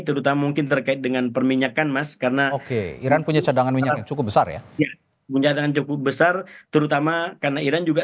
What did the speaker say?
iran punya cadangan minyak cukup besar ya punya dengan cukup besar terutama karena iran juga